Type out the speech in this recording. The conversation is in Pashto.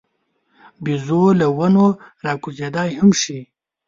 بیزو له ونو راکوزېدای هم شي.